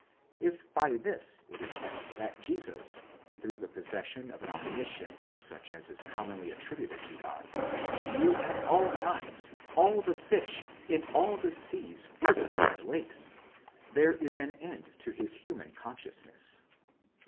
If by this it be meant that Jesus, through the possession of an omni science such as is commonly attributed to God, knew at all times, all the fish, in all seas, rivers and lakes; there is an end to his human consciousness.